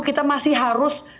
kita masih harus